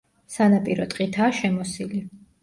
სანაპირო ტყითაა შემოსილი.